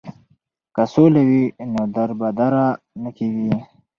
که سوله وي نو دربدره نه کیږي.